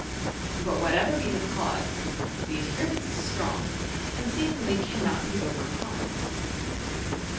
But whatever be tlie cause, the adhe jHon is strong, and seemingly cannot be overcome.